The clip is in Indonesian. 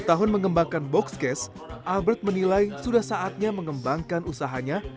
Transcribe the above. dua puluh tahun mengembangkan boxcase albert menilai sudah saatnya mengembangkan usahanya